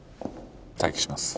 待機します。